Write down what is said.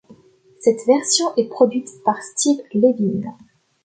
Cette version est produite par Steve Levine.